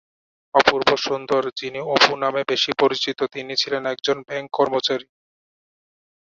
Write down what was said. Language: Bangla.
অপূর্ব সুন্দর, যিনি অপু নামে বেশি পরিচিত, তিনি ছিলেন একজন ব্যাঙ্ক কর্মচারী।